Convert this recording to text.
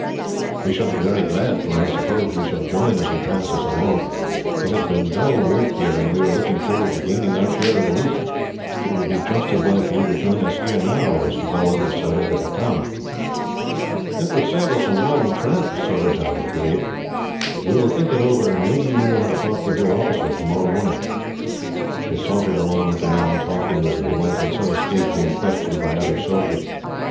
"We shall be very glad, for I suppose we shall join, as he passes along. It has been dull work here, and we are looking forward to gaining our share of the loot. It would be just as well for you to join us here now, as to go on to Seringapatam." "It would save us a long tramp," Surajah agreed. "We will think it over, and maybe we will have a talk with your officer, tomorrow morning." They sauntered along with the men, talking as they went, and so escaped being questioned by other soldiers.